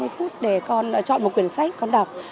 ba mươi phút để con chọn một quyển sách con đọc